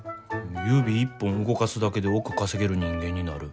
指一本動かすだけで億稼げる人間になる。